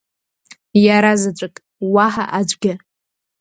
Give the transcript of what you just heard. Иара заҵәык, уаҳа аӡәгьы!